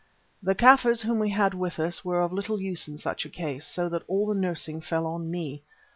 The Kaffirs whom we had with us were of little use in such a case, so that all the nursing fell on me.